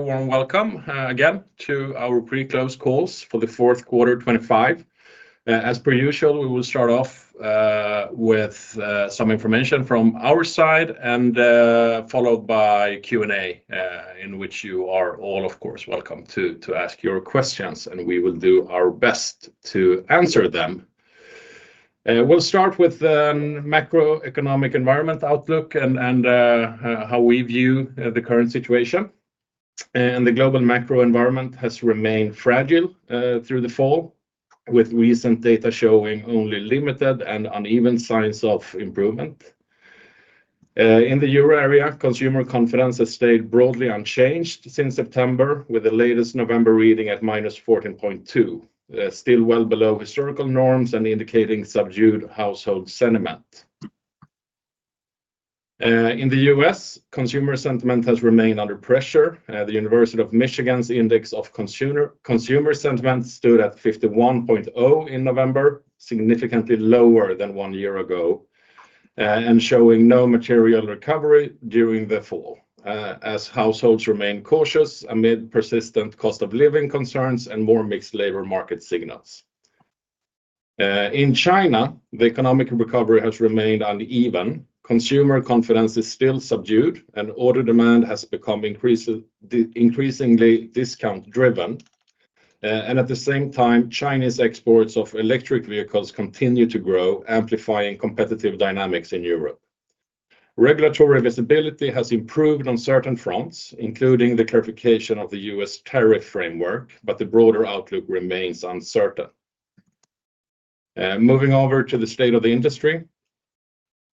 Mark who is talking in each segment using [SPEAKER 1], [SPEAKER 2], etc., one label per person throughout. [SPEAKER 1] Welcome again to our pre-close calls for the fourth quarter 2025. As per usual, we will start off with some information from our side and followed by Q&A, in which you are all, of course, welcome to ask your questions, and we will do our best to answer them. We'll start with the macroeconomic environment outlook and how we view the current situation. And the global macro environment has remained fragile through the fall, with recent data showing only limited and uneven signs of improvement. In the euro area, consumer confidence has stayed broadly unchanged since September, with the latest November reading at minus 14.2, still well below historical norms and indicating subdued household sentiment. In the U.S., consumer sentiment has remained under pressure. The University of Michigan's index of consumer sentiment stood at 51.0 in November, significantly lower than one year ago, and showing no material recovery during the fall, as households remain cautious amid persistent cost-of-living concerns and more mixed labor market signals. In China, the economic recovery has remained uneven. Consumer confidence is still subdued, and order demand has become increasingly discount-driven. And at the same time, Chinese exports of electric vehicles continue to grow, amplifying competitive dynamics in Europe. Regulatory visibility has improved on certain fronts, including the clarification of the U.S. tariff framework, but the broader outlook remains uncertain. Moving over to the state of the industry,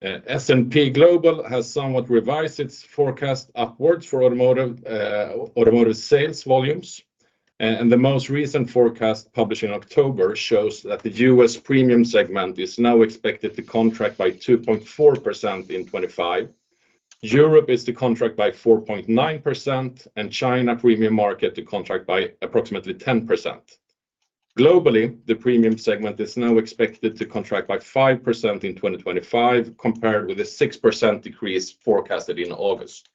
[SPEAKER 1] S&P Global has somewhat revised its forecast upwards for automotive sales volumes, and the most recent forecast published in October shows that the U.S. premium segment is now expected to contract by 2.4% in 2025. Europe is to contract by 4.9%, and China premium market to contract by approximately 10%. Globally, the premium segment is now expected to contract by 5% in 2025, compared with a 6% decrease forecasted in August.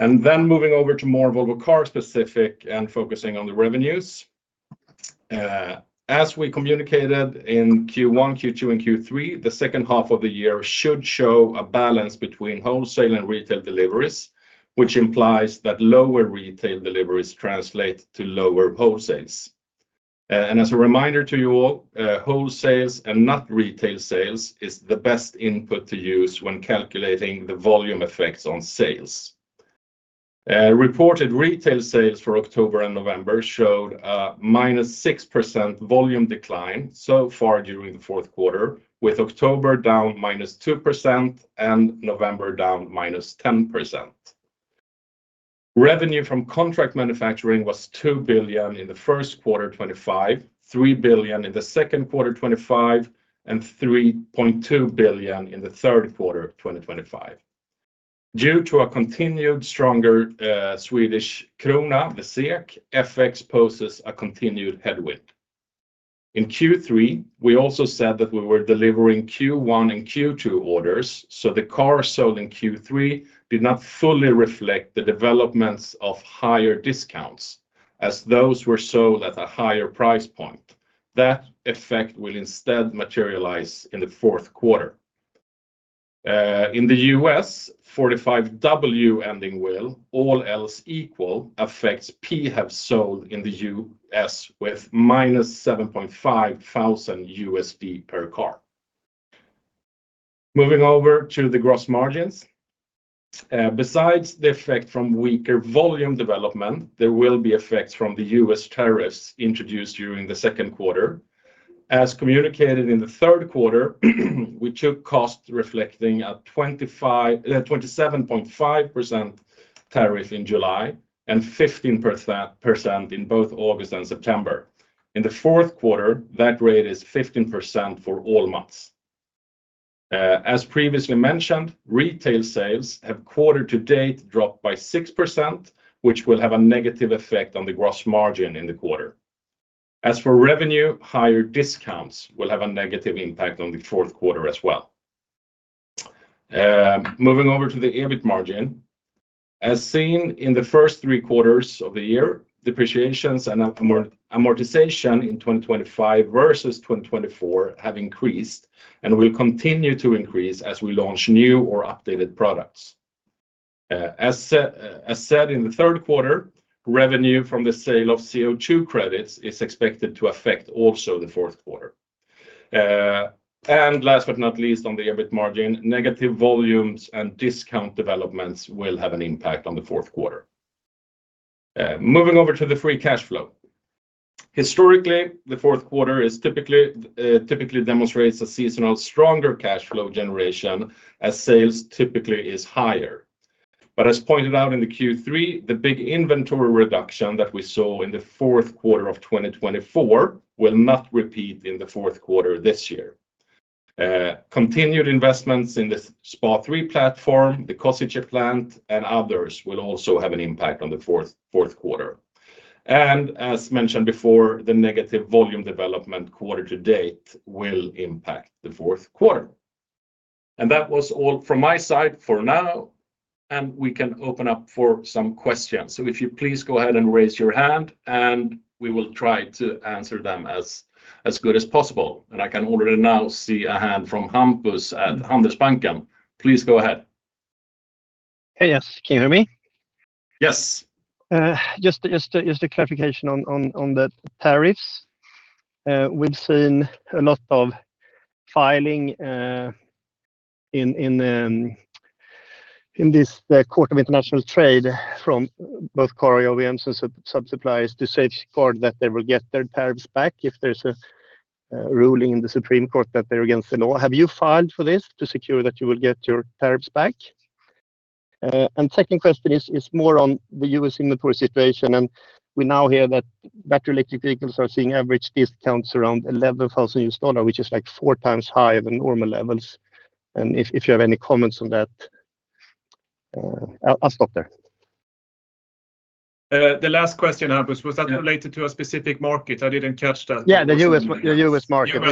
[SPEAKER 1] Then moving over to more Volvo Cars-specific and focusing on the revenues. As we communicated in Q1, Q2, and Q3, the second half of the year should show a balance between wholesale and retail deliveries, which implies that lower retail deliveries translate to lower wholesales. As a reminder to you all, wholesales and not retail sales is the best input to use when calculating the volume effects on sales. Reported retail sales for October and November showed a -6% volume decline so far during the fourth quarter, with October down -2% and November down -10%. Revenue from contract manufacturing was 2 billion in the first quarter 2025, 3 billion in the second quarter 2025, and 3.2 billion in the third quarter 2025. Due to a continued stronger Swedish krona, the SEK FX poses a continued headwind. In Q3, we also said that we were delivering Q1 and Q2 orders, so the cars sold in Q3 did not fully reflect the developments of higher discounts, as those were sold at a higher price point. That effect will instead materialize in the fourth quarter. In the US, Section 45W ending will, all else equal, affect PHEVs sold in the US with -$7,500 per car. Moving over to the gross margins. Besides the effect from weaker volume development, there will be effects from the US tariffs introduced during the second quarter. As communicated in the third quarter, we took cost reflecting a 27.5% tariff in July and 15% in both August and September. In the fourth quarter, that rate is 15% for all months. As previously mentioned, retail sales have quarter-to-date dropped by 6%, which will have a negative effect on the gross margin in the quarter. As for revenue, higher discounts will have a negative impact on the fourth quarter as well. Moving over to the EBIT margin. As seen in the first three quarters of the year, depreciation and amortization in 2025 versus 2024 have increased and will continue to increase as we launch new or updated products. As said in the third quarter, revenue from the sale of CO2 credits is expected to affect also the fourth quarter. Last but not least, on the EBIT margin, negative volumes and discount developments will have an impact on the fourth quarter. Moving over to the free cash flow. Historically, the fourth quarter typically demonstrates a seasonal stronger cash flow generation as sales typically is higher. As pointed out in the Q3, the big inventory reduction that we saw in the fourth quarter of 2024 will not repeat in the fourth quarter this year. Continued investments in the SPA3 platform, the Košice plant and others will also have an impact on the fourth quarter. As mentioned before, the negative volume development quarter-to-date will impact the fourth quarter. That was all from my side for now, and we can open up for some questions. If you please go ahead and raise your hand, and we will try to answer them as good as possible. I can already now see a hand from Hampus at Handelsbanken. Please go ahead.
[SPEAKER 2] Hey, yes, can you hear me?
[SPEAKER 3] Yes.
[SPEAKER 2] Just a clarification on the tariffs. We've seen a lot of filing in this Court of International Trade from both car OEMs and sub-suppliers to safeguard that they will get their tariffs back if there's a ruling in the Supreme Court that they're against the law. Have you filed for this to secure that you will get your tariffs back? And second question is more on the U.S. inventory situation. And we now hear that battery electric vehicles are seeing average discounts around $11,000, which is like four times higher than normal levels. And if you have any comments on that, I'll stop there.
[SPEAKER 1] The last question, Hampus, was that related to a specific market? I didn't catch that.
[SPEAKER 2] Yeah, the U.S. market.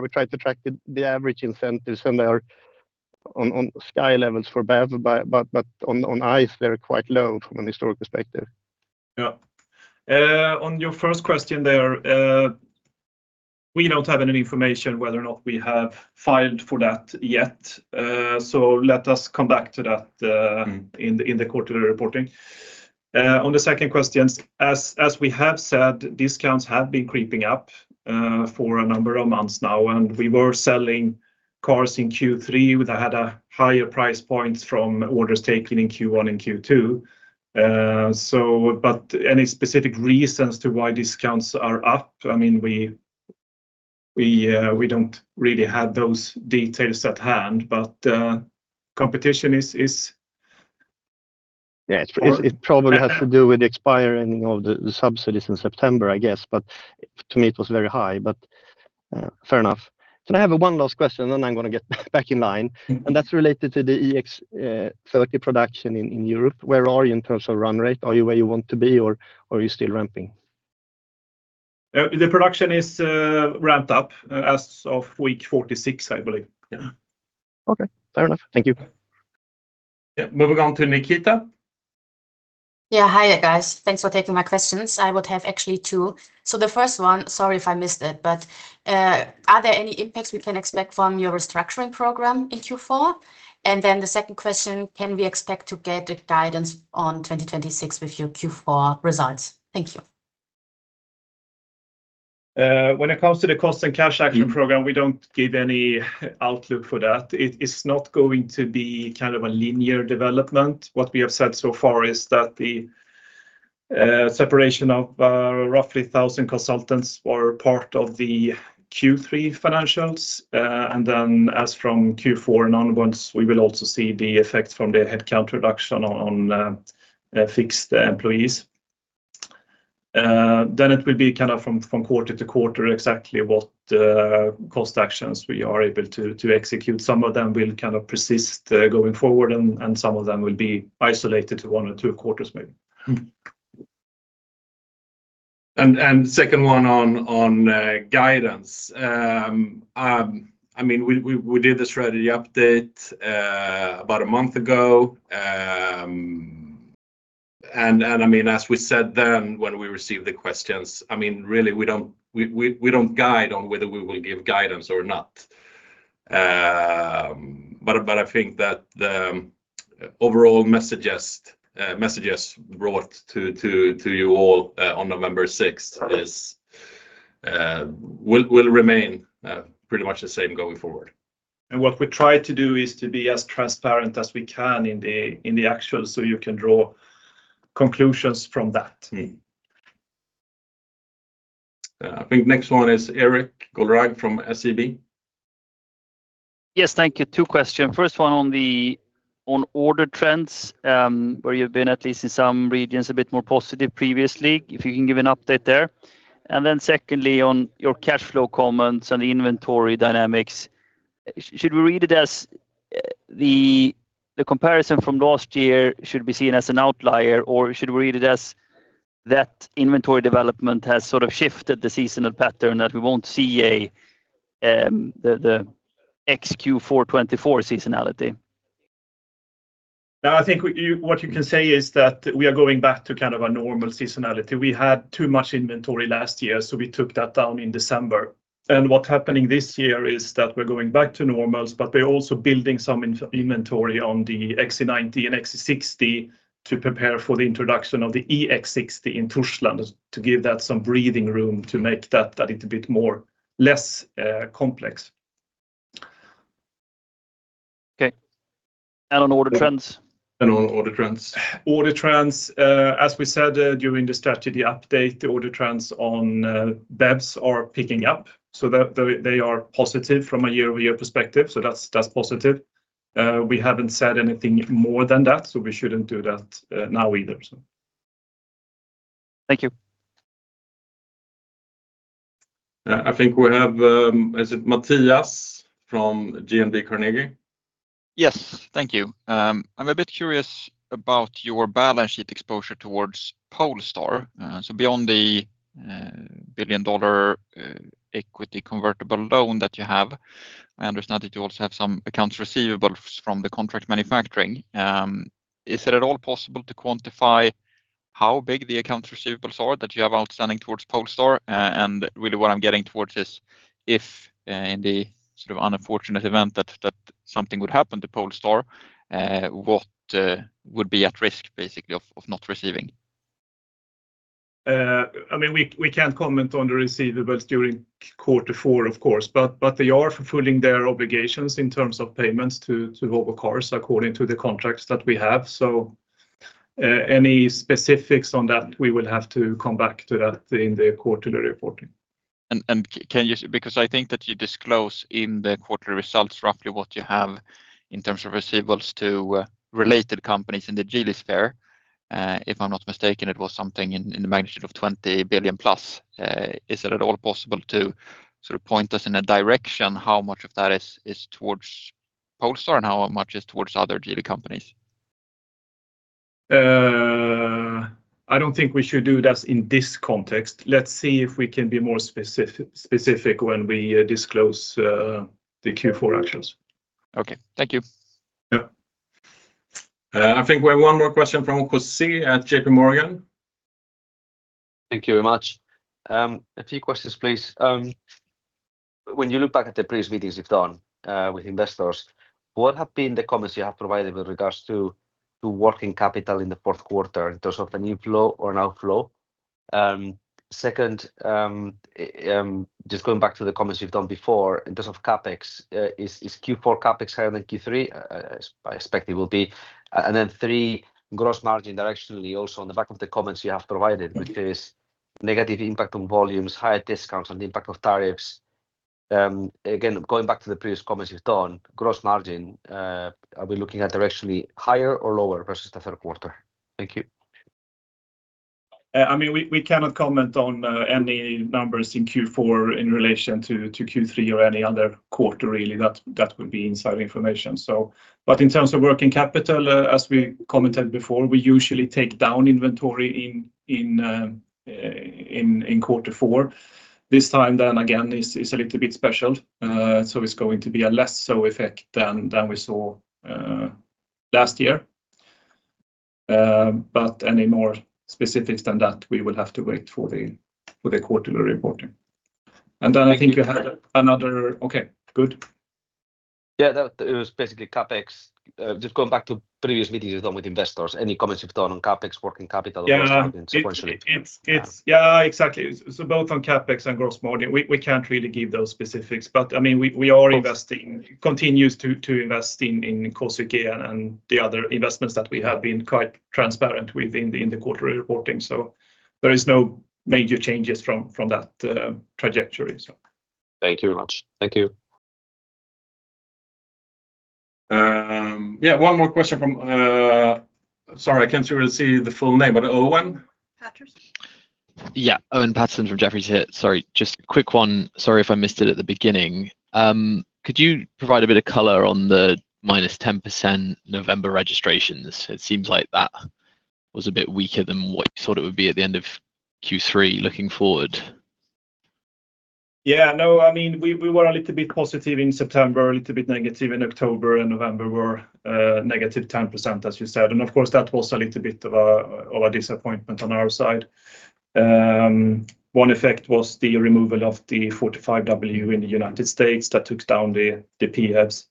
[SPEAKER 2] We tried to track the average incentives and they are on sky levels for BEV, but on ICE, they're quite low from a historical perspective.
[SPEAKER 1] Yeah. On your first question there, we don't have any information whether or not we have filed for that yet, so let us come back to that in the quarterly reporting. On the second question, as we have said, discounts have been creeping up for a number of months now, and we were selling cars in Q3 that had a higher price point from orders taken in Q1 and Q2. But any specific reasons to why discounts are up? I mean, we don't really have those details at hand, but competition is.
[SPEAKER 2] Yeah, it probably has to do with the expiring of the subsidies in September, I guess, but to me, it was very high, but fair enough. So I have one last question, and then I'm going to get back in line. And that's related to the EX30 production in Europe. Where are you in terms of run rate? Are you where you want to be, or are you still ramping?
[SPEAKER 1] The production is ramped up as of week 46, I believe.
[SPEAKER 2] Okay, fair enough. Thank you.
[SPEAKER 3] Yeah, moving on to Nikita.
[SPEAKER 4] Yeah, hi there, guys. Thanks for taking my questions. I would have actually two. So the first one, sorry if I missed it, but are there any impacts we can expect from your restructuring program in Q4? And then the second question, can we expect to get guidance on 2026 with your Q4 results? Thank you.
[SPEAKER 1] When it comes to the cost and cash action program, we don't give any outlook for that. It is not going to be kind of a linear development. What we have said so far is that the separation of roughly 1,000 consultants were part of the Q3 financials. And then as from Q4 and onwards, we will also see the effect from the headcount reduction on fixed employees. Then it will be kind of from quarter to quarter exactly what cost actions we are able to execute. Some of them will kind of persist going forward, and some of them will be isolated to one or two quarters, maybe.
[SPEAKER 5] And second one on guidance. I mean, we did the strategy update about a month ago. I mean, as we said then when we received the questions, I mean, really, we don't guide on whether we will give guidance or not. I think that the overall messages brought to you all on November 6th will remain pretty much the same going forward. What we try to do is to be as transparent as we can in the actual so you can draw conclusions from that.
[SPEAKER 3] I think next one is Erik Golrang from SEB.
[SPEAKER 6] Yes, thank you. Two questions. First one on order trends, where you've been at least in some regions a bit more positive previously, if you can give an update there. And then secondly, on your cash flow comments and the inventory dynamics. Should we read it as the comparison from last year should be seen as an outlier, or should we read it as that inventory development has sort of shifted the seasonal pattern that we won't see the Q4 24 seasonality?
[SPEAKER 5] No, I think what you can say is that we are going back to kind of a normal seasonality. We had too much inventory last year, so we took that down in December. And what's happening this year is that we're going back to normals, but we're also building some inventory on the XC90 and XC60 to prepare for the introduction of the EX60 in Torslanda to give that some breathing room to make that a little bit less complex.
[SPEAKER 6] Okay. And on order trends?
[SPEAKER 3] On order trends.
[SPEAKER 5] Order trends, as we said during the strategy update, the order trends on BEVs are picking up. So they are positive from a year-over-year perspective. So that's positive. We haven't said anything more than that, so we shouldn't do that now either.
[SPEAKER 6] Thank you.
[SPEAKER 3] I think we have, is it Mattias from DNB Carnegie?
[SPEAKER 7] Yes, thank you. I'm a bit curious about your balance sheet exposure towards Polestar. So beyond the billion-dollar equity convertible loan that you have, I understand that you also have some accounts receivables from the contract manufacturing. Is it at all possible to quantify how big the accounts receivables are that you have outstanding towards Polestar? And really what I'm getting towards is if in the sort of unfortunate event that something would happen to Polestar, what would be at risk basically of not receiving?
[SPEAKER 1] I mean, we can't comment on the receivables during quarter four, of course, but they are fulfilling their obligations in terms of payments to Volvo Cars according to the contracts that we have. So any specifics on that, we will have to come back to that in the quarterly reporting.
[SPEAKER 7] Because I think that you disclose in the quarterly results roughly what you have in terms of receivables to related companies in the Geely sphere. If I'm not mistaken, it was something in the magnitude of 20 billion plus. Is it at all possible to sort of point us in a direction how much of that is towards Polestar and how much is towards other Geely companies?
[SPEAKER 1] I don't think we should do that in this context. Let's see if we can be more specific when we disclose the Q4 actuals.
[SPEAKER 7] Okay, thank you.
[SPEAKER 3] Yeah. I think we have one more question from Jose at J.P. Morgan.
[SPEAKER 8] Thank you very much. A few questions, please. When you look back at the previous meetings you've done with investors, what have been the comments you have provided with regards to working capital in the fourth quarter in terms of an inflow or an outflow? Second, just going back to the comments you've done before in terms of CapEx, is Q4 CapEx higher than Q3? I expect it will be. And then three, gross margin directionally also on the back of the comments you have provided, which is negative impact on volumes, higher discounts on the impact of tariffs. Again, going back to the previous comments you've done, gross margin, are we looking at directionally higher or lower versus the third quarter? Thank you.
[SPEAKER 1] I mean, we cannot comment on any numbers in Q4 in relation to Q3 or any other quarter really. That would be inside information. But in terms of working capital, as we commented before, we usually take down inventory in quarter four. This time then again is a little bit special. So it's going to be a lesser effect than we saw last year. But any more specifics than that, we will have to wait for the quarterly reporting. And then I think you had another. Okay, good.
[SPEAKER 8] Yeah, it was basically CapEx. Just going back to previous meetings you've done with investors, any comments you've done on CapEx, working capital, gross margin, sequentially?
[SPEAKER 1] Yeah, exactly. So both on CapEx and gross margin, we can't really give those specifics. But I mean, we are investing, continues to invest in Košice and the other investments that we have been quite transparent with in the quarterly reporting. So there are no major changes from that trajectory.
[SPEAKER 8] Thank you very much. Thank you.
[SPEAKER 3] Yeah, one more question from, sorry, I can't really see the full name, but Owen?
[SPEAKER 9] Yeah, Owen Paterson from Jefferies here. Sorry, just a quick one. Sorry if I missed it at the beginning. Could you provide a bit of color on the minus 10% November registrations? It seems like that was a bit weaker than what you thought it would be at the end of Q3 looking forward.
[SPEAKER 5] Yeah, no, I mean, we were a little bit positive in September, a little bit negative in October, and November were negative 10%, as you said. And of course, that was a little bit of a disappointment on our side. One effect was the removal of the 45W in the United States that took down the PEBs.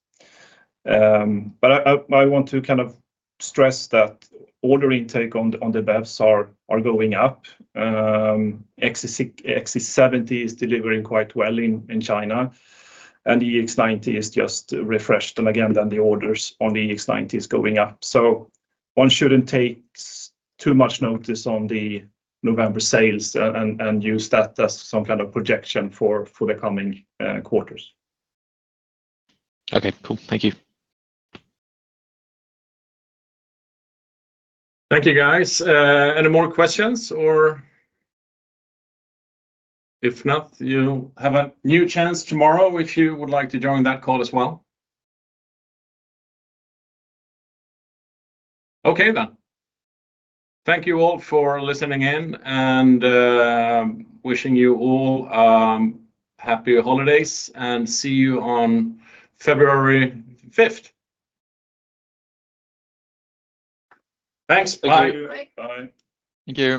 [SPEAKER 5] But I want to kind of stress that order intake on the BEVs are going up. XC60 is delivering quite well in China, and the EX90 is just refreshed. And again, then the orders on the EX90 is going up. So one shouldn't take too much notice on the November sales and use that as some kind of projection for the coming quarters.
[SPEAKER 9] Okay, cool. Thank you.
[SPEAKER 1] Thank you, guys. Any more questions? Or if not, you have a new chance tomorrow if you would like to join that call as well. Okay then. Thank you all for listening in and wishing you all happy holidays, and see you on February 5th. Thanks. Bye.
[SPEAKER 5] Bye.
[SPEAKER 1] Bye. Thank you.